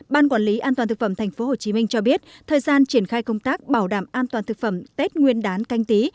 ban quản lý an toàn thực phẩm tp hcm cho biết thời gian triển khai công tác bảo đảm an toàn thực phẩm tết nguyên đán canh tí